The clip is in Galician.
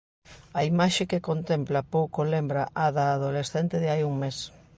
A imaxe que contempla pouco lembra á da adolescente de hai un mes.